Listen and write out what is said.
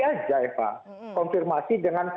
aja eva konfirmasi dengan